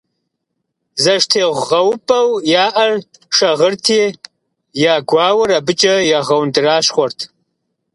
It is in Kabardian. ЗэштегъэупӀэу яӀэр шагъырти, я гуауэр абыкӀэ ягъэундэращхъуэрт.